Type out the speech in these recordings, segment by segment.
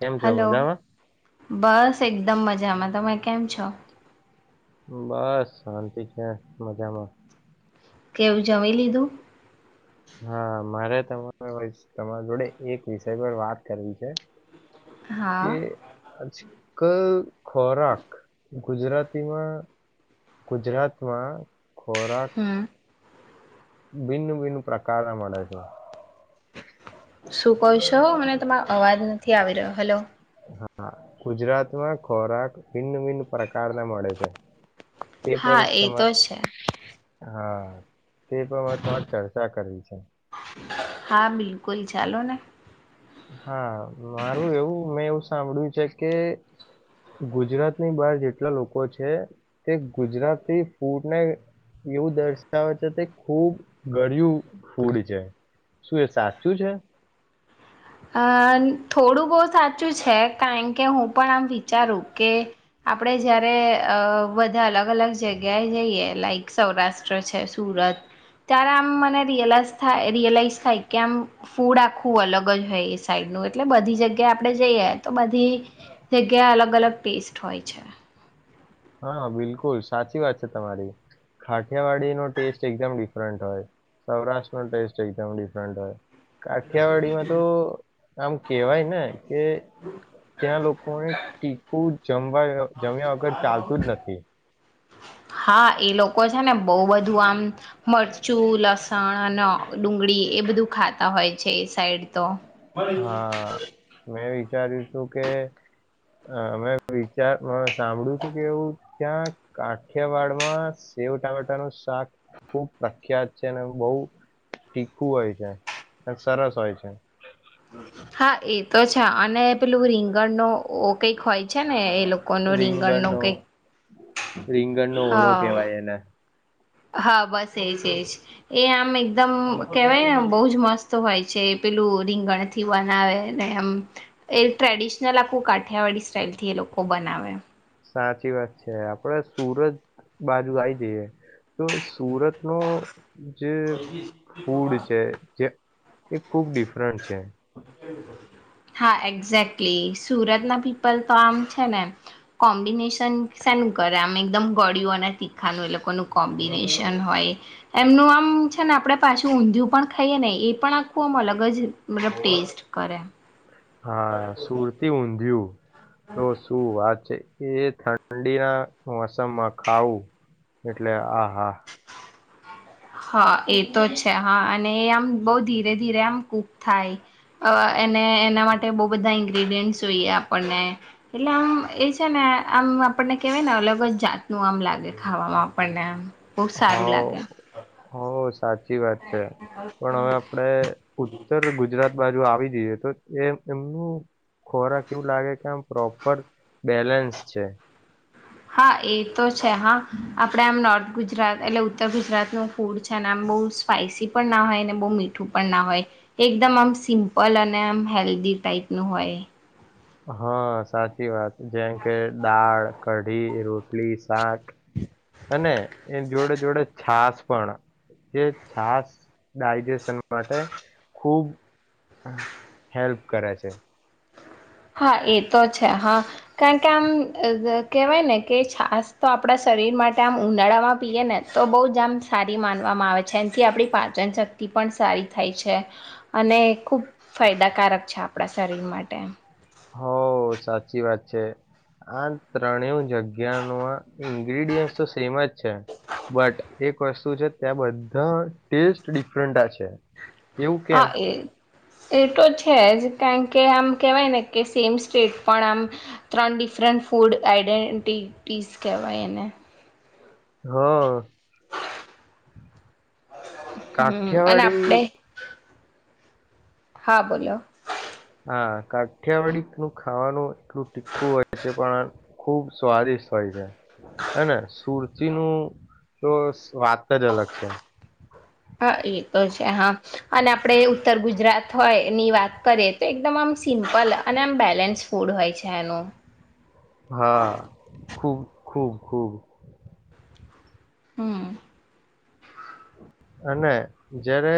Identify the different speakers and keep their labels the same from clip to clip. Speaker 1: કેમ છો
Speaker 2: હલો,
Speaker 1: મજામાં?
Speaker 2: બસ એકદમ મજા મજામાં તમે કેમ છો?
Speaker 1: બસ શાંતિ છે મજામાં.
Speaker 2: કેવું જમી લીધું?
Speaker 1: હા મારે તમારે તમારા જોડે એક વિષય પર વાત કરવી છે.
Speaker 2: હા
Speaker 1: કે જ ક ખોરાક. ગુજરાતીમાં ગુજરાતમાં. ખોરાક
Speaker 2: હમ
Speaker 1: ભિન્ન ભિન્ન પ્રકાર ના મળે છે.
Speaker 2: શું કહો છો, મને તમારો અવાજ નથી આવી રહ્યો. હલો.
Speaker 1: હા, ગુજરાતમાં ખોરાક ભિન્ન ભિન્ન પ્રકાર ના મળે છે. તે પર
Speaker 2: હા, એ
Speaker 1: તમા
Speaker 2: તો છે.
Speaker 1: હા, તે તમાર તમારે ચર્ચા કરવી છે.
Speaker 2: હા, બિલકુલ ચાલો ને.
Speaker 1: હા, મારું એવું મેં એવું સાંભળ્યું છે કે ગુજરાતની બહાર જેટલા લોકો છે તે ગુજરાતી ફૂડને એવું દર્શાવે છે તે ખૂબ ગળિયું ફૂડ છે. શું એ સાચું છે?
Speaker 2: હા, થોડું બહું સાચું છે કારણ કે હું પણ આમ વિચારું કે આપડે જારે અહ બધા અલગ અલગ જગ્યાએ જઈએ લાઈક સૌરાષ્ટ્ર છે સુરત ત્યારે આમ મને રિયલાઈઝ થાય રિયલાઈઝ થાય કે આમ ફૂડ આખું અલગ જ હૈ એ સાઈડ નું એટલે બધી જગ્યા આપ આપડે જઈએ તો બધી જગ્યા અલગ અલગ ટેસ્ટ હોય છે.
Speaker 1: હા, બિલકુલ સાચી વાત છે તમારી. ખાઠિયાવાડીનો ટેસ્ટ એકદમ ડિફરન્ટ હોય. સૌરાષ્ટ્રનો ટેસ્ટ એકદમ ડિફરન્ટ હોય. કાઠિયાવાડીમાં તો આમ કેવાય ને કે ત્યાં લોકોને ટીકું જમવા જમ્યા વગર ચાલતું જ નથી.
Speaker 2: હા, એ લોકો છે ને બહ બધું આમ મરચું લસણ અને ડુંગળી એ બધું ખાતા હોય છે એ સાઈડ તો.
Speaker 1: હા. મેં એ વિચાર્યું છું કે અહ મેં વિચાર સાંભળ્યું છું કે એવું ત્યાં કાઠિયાવાડમાં સેવ ટામેટાનુંું શાક ખુબ પ્રખ્યાત છે અને બહ તીખું હોય છે અને સરસ હોય છે
Speaker 2: હા, એતો છે અને પેલું રીંગણ નો ઓ કઈક હોય છે ને એ લોકોનું રીંગણ નું
Speaker 1: રીંગણનો
Speaker 2: કઈક
Speaker 1: રીંગણનો ઓળો
Speaker 2: હા.
Speaker 1: કેવાય એને
Speaker 2: હા, બસ સેજ એજ એ આમ એકદમ કેવાય ને બહુ જ મસ્ત હોય છે પેલું રીંગણથી બનાવે ને એમ એ ટ્રેડિશનલ આખું કાઠિયાવાડી સ્ટાઈલથી એ લોકો બનાવે
Speaker 1: સાચી વાત છે, આપડે સુરત બાજુ આઈ જઈએ. તો સુરતનો જે ફૂડ છે જે એ ખુબ ડિફરન્ટ છે.
Speaker 2: હા એક્ઝેક્ટલી સુરતના પીપલ તો આમ છે ને કોમ્બિનેશન સાનું કરે આમ એકદમ ગળિયું અને તીખાનું એ લોકોનું કોમ્બિનેશન હોય એમનું આમ છે ને આપડે પાછું ઊંધિયું પણ ખાઈએ ને એ પણ આખું આમ અલગ જ મતલબ ટેસ્ટ કરે
Speaker 1: હા સુરતી ઊંધિયું તો શું વાત છે. એ ઠંડીના મોસમમાં ખાવું એટલે આહા.
Speaker 2: હા એ તો જ છે હા અને એ આમ બહ ધીરે ધીરે આમ કૂક થાય એને એના માટે બહ બધા ઇન્ગ્રીડિયન્ટ જોઈએ આપણને એટલે આમ એ છે ને આમ આપણને કેહેવાય ને અલગ અલ જાતનું આમ લાગે ખાવામાં આપણને આમ. બહ સારું લાગ્યા.
Speaker 1: હોશ. સાચી વાત છે પણ હવે આપડે ઉત્તર ગુજરાત બાજુ. જો આવી જઈએ તો એ એમનું ખોરાક એવું લાગે કે આમ પ્રોપર બેલેન્સ છે.
Speaker 2: હા એ તો છે હા આપણે આમ નોર્થ ગુજરાત એટલે ઉત્તર ગુજરાતનું ફૂડ છે ને આમ બહુ સ્પાઈસી પણ ના હોય ને બહુ મીઠું પણ ના હોય એકદમ આમ સિમ્પલ અને આમ હેલ્ધી ટાઈપનું હોય.
Speaker 1: હા સાચી વાત જેમ કે દાળ કઢી રોટલી. શાક અને એ જોડે જોડે છાસ. પણ જે છાસ ડાયજેશન માટે ખુબ હેલ્પ કરે છે.
Speaker 2: હા એ તો છે હા કારણ કે આમ કહેવાય ને કે છાસ તો આપણા શરીર માટે આમ ઉનાળામાં પીએ ને તો બહુ જ આમ સારી માનવામાં આવે છે એનાથી આપણી પાચન શક્તિ પણ સારી થાય છે અને ખૂબ ફાયદાકારક છે આપણા શરીર માટે.
Speaker 1: હો સાચી વાત છે આ ત્રણે જગ્યામાં ઇન્ગ્રીડિયન્ટ તો સેમ જ છે બટ એક વસ્તુ છે ત્યાં બધા ટેસ્ટ ડિફરન્ટ છે. એવું કેમ
Speaker 2: હા એ. એ તો છે જ કારણ કે આમ કહેવાય ને કે સેમ સ્ટેટ પણ આમ ત્રણ ડિફરન્ટ ફૂડ આઈડેન્ટિટીસ કહેવાયને.
Speaker 1: હા.
Speaker 2: હમ અને
Speaker 1: કાઠ્યાવાડી.
Speaker 2: આપણે હા બોલોલો.
Speaker 1: હા કાઠિયાવાડી નું ખાવાનું એટલું ટીખું હોય છે પણ ખૂબ સ્વાદિષ્ટ હોય છે હને સુરતીનુંું તો વાત જ અલગ છે.
Speaker 2: હા એ તો છે હા અને આપણે ઉત્તર ગુજરાત હોય ની વાત કરીએ તો એકદમ આમ સિમ્પલ અને આમ બેલેન્સ ફૂડ હોય છે એનું.
Speaker 1: હા ખુબ ખૂબ ખૂબ.
Speaker 2: હમ.
Speaker 1: અને જ્યારે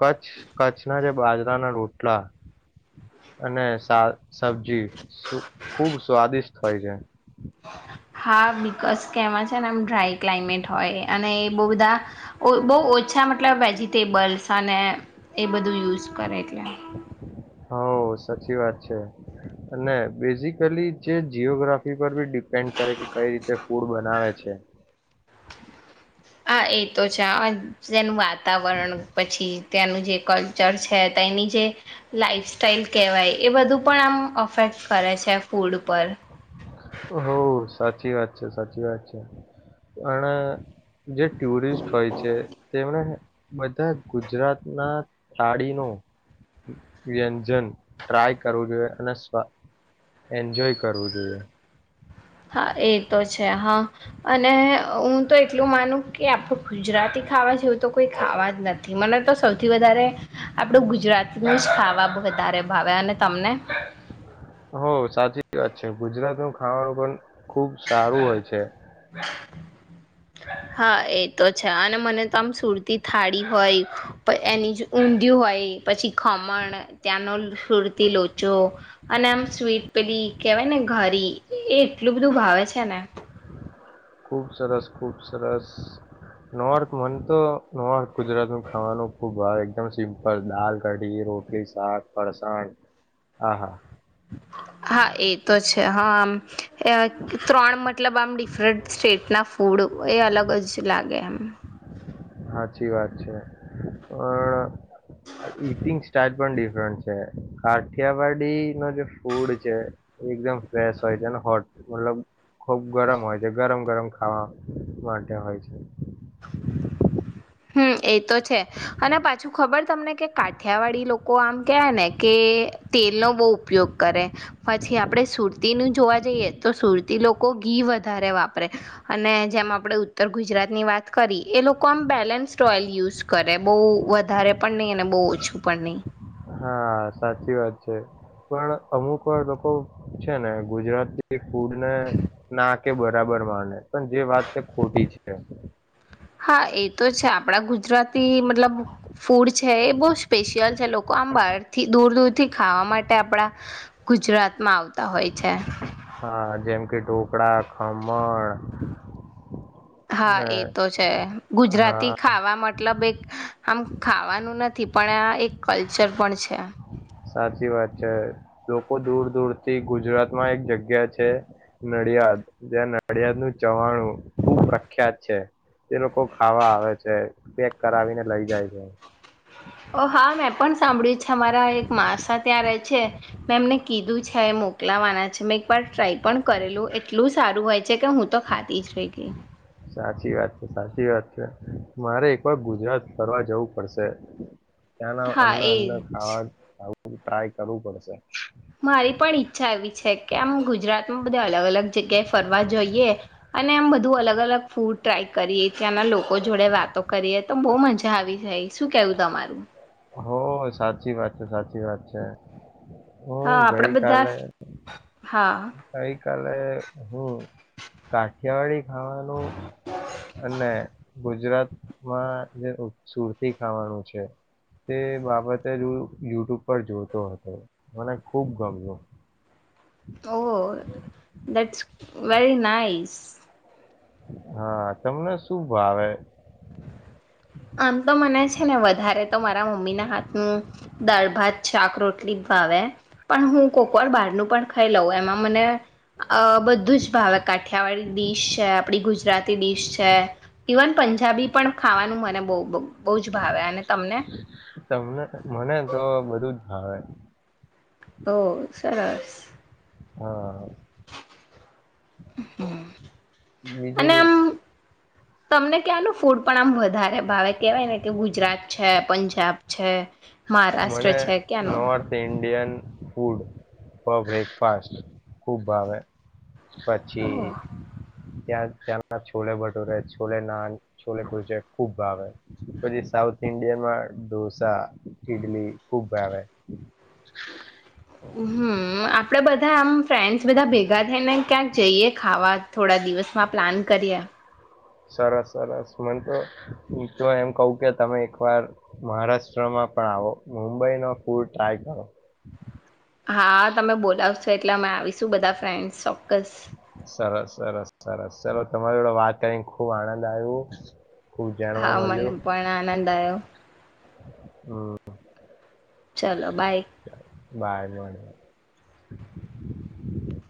Speaker 1: કચ્છ કચ્છના જે બાજરાના રોટલા અને સા સબ્જી ખૂબ સ્વાદિષ્ટ હોય છે.
Speaker 2: હા બિકઝ કેવા છે ને એમ ડ્રાય ક્લાઇમેટ હોય અને એ બહ બધા બહ ઓછા મતલબ જી તે બલસને. એ બધું યુઝ કરે એટલે.
Speaker 1: હ સાચી વાત છે અને બેઝિકલી જે જીઓગ્રાફી પર બી ડિપેન્ડ કરે કે કઈ રીતે ફૂડ બનાવે છે.
Speaker 2: હા એ તો છે જેનું વાતાવરણ પછી ત્યાંનું જે કલ્ચર છે તેની જે લાાઈફસ્ટાઈલ કહેવાય એ બધું પણ આમ અફેક્ટ કરે છે ફૂડ પર.
Speaker 1: હો સાચી વાત છે સાચી વાત છે પણ. જે ટુરિસ્ટ હોય છે તેમને બધા ગુજરાતના થાળી ન વ્યંજન ટ્રાય કરવું જોઈએ અને એન્જોય કરવું જોઈએ.
Speaker 2: હા એ તો છે હા અને હું. તો એટલું માનું કે આપું ગુજરાતી ખાવા જેવું તો કોઈ ખાવા જ નથી મને તો સૌથી વધારે આપણું ગુજરાતીનું જ ખાવા વધારે ભાવે અને તમને.
Speaker 1: હો સાચી વાત છે ગુજરાત નું ખાવાનું પણ. ખુબ સારું હોય છે.
Speaker 2: હા એ તો છે અને મને તો આમ સુરતી થાળી હોય એની જ ઊંધિય હોય પછી ખમણ ત્યાંનો સુરતી લોચો અને આમ સ્વીટ પેલી કેહેવાય ને ઘરી એ એટલું બધું ભાવે છે. છેના.
Speaker 1: ખુબ સરસ ખુબ સરસ નોર્થ મને તો નોર્થ ગુજરાત નું ખાવાનું ખુબ ભ એકદમ સિમ્પલ દાલ કઢી રોટીલી શાક ફસાણ આહા.
Speaker 2: હા એ તો છે હા આમ ત્રણ મતલબ આમ ડિફરન્ટ સ્ટેટના ફૂડ એ અલગ જ લાગે એમ. હમ
Speaker 1: સાચી વાત છે પણ ઇટિંગ સ્ટાટ પણ ડિફરન્ટ છે. કાઠિયાવાડી ન જે ફૂડ છે એકદમ ફ્રેશ હોય છે અને હોટ મતલબ ખુબ ગરમ હોય છે ગરમ ગરમ ખાવા માટે હોય છે.
Speaker 2: [inaudible] હમ એ તો છે અને પાછું ખબર તમને કે કાઠિયાવાડી લોકો આમ કહે ને કે તેલનો બહુ ઉપયોગ કરે પછી આપણે સુરતીનું જોવા જઈએ તો સુરતી લોકો ઘી વધારે વાપરે અને જેમ આપણે ઉત્તર ગુજરાતની વાત કરી એ લોકો આમ બેલેન્સ સ્ટઓલ યુઝ કરે બહઉ વધારે પણ નહી અને બહુ ઓછું પણ નહી.
Speaker 1: હા સાચી વાત છે પણ અમુક વાર લોકો છે ને ગુજરાતી ફૂડને ના કે બરાબર મા પણ જે વાત છે ખોટી છે.
Speaker 2: હા એ તો છે આપણા ગુજરાતી મતલબ ફૂડ છે એ બહુ સ્પેશિયલ છે લોકો આમ બહારથી દૂર દૂર થી ખાવા માટે આપડા ગુજરાતમાં આવતા. તા હોય છે.
Speaker 1: હા જેમ કે ઢોકળા ખમણ
Speaker 2: હા
Speaker 1: ને
Speaker 2: એ તો છે
Speaker 1: હા
Speaker 2: ગુજરાતી ખાવા મતલબ એક આમ ખાવાનું નથી પણ એક કલ્ચર પણ છે.
Speaker 1: સાચી વાત છે લોકો દૂર દૂર થી ગુજરાતમાં એક જગ્યા છે નડિયાદ જ્યાં નડિયાદ નું ચવાણું ખુબ પ્રખ્યાત છે તે લોકો ખાવા આવે છે પેક કરાવીને લઈ જાય છે.
Speaker 2: ઓ હા મેં પણ સાંભળ્યું છે અમારા એક માસા ત્યાં રહે છે મેં એમને કીધું છે મોકલાવાના છે મેં એકવાર ટ્રાય પણ કરેલું એટલું સારું હોય છે કે હું તો ખાધી જ રહી ગઈ.
Speaker 1: સાી વાત છે સાચી વાત છે મારે એક વાર ગુજરાત ફર જવું પડશે. ત્યાંના
Speaker 2: હા
Speaker 1: અન્ન અન્ન
Speaker 2: એજ
Speaker 1: ખાવા બું ટ્રાય કરવું પડશે.
Speaker 2: મારી બધ અલગ અલગ જગ્યાએ ફરવા જોઈએ અને એમ બધું અલગ અલગ ફૂડ ટ્રાય કરીએ ત્યાંના લોકો જોડે વાતો કરીએ તો બહુ મજ જ આવી ભાઈ શું કેવું તમારું
Speaker 1: હો સાચી વાત છે સાચી વાત છે.
Speaker 2: હા
Speaker 1: હું
Speaker 2: આપડા બધા હા.
Speaker 1: ગઈ કલે હું કાઠિયાવાડી ખાવાનું અને ગુજરાતમાં જે સુરતી ખાવાનું છે તે બાબતે જ યુટ્યુબ પર જોતો હતો મને ખુબ ગમ્યું.
Speaker 2: ઓ દેટસ વેરી નાઇસ.
Speaker 1: હા તમને શું ભાવે
Speaker 2: આમ તો મને છે ને વધારે તો મારા મમ્મીના હાથનું દાલ ભાત શાક રોટલી ભાવે પણ હું કોકવાર બહારનું ખાઈ લઉ એમાં મને બધું જ ભાવે કાઠિયાવાડી ડીશ છે આપડી ગુજરાતી ડીશ છે ઇવન પંજાબી પણ ખાવાનું મને બ બ
Speaker 1: તમને મને તો બધું જ હા.
Speaker 2: તો સરસ
Speaker 1: હા.
Speaker 2: અને
Speaker 1: બીજું
Speaker 2: અમ તમને ક્યાનું ફૂડ પણ આમ વધારે ભાવે કેવાય ને કે ગુજરાત છે પંજાબ છે. મહારાષ્ટ્ર
Speaker 1: મને
Speaker 2: છે ક્યાંનું
Speaker 1: north Indian food uh breakfast ખુબ ભાવે. પછી ત્યાં ત્યાંના છોલે ભટૂરે છોલે નાન છોલે કુરચે ખુબ ભાવે પછી સાઉથ ઇન્ડિયનમાં ઢોસા ઈડલી ખુબ ભાવે.
Speaker 2: બા આમ ફ્રેન્ડસ બધા ભેગા થઈ ને ક્યાંક જઈએ ખાવા થોડા દિવસમાં પ્લાન કરીએ.
Speaker 1: સરસ સરસ મને તો હું તો એમ કહું કે તમે એકવાર મહારાષ્ટ્રમાં પણ આવો મુંબઈ નો ફૂડ ટ્રાય કરો.
Speaker 2: હા તમે બોલાવશો એટલે અમે આવીશું બધા ફ્રેંડ્સ.
Speaker 1: સરસ. સરસ સરસ ચાલો તમારી જોડે વાત કરીને ખુબ આનંદ આયુ.
Speaker 2: હા મને પણ આનંદ આવયો.
Speaker 1: હમ.
Speaker 2: ચલો બાય.
Speaker 1: ભાર મળડ [unintelligible]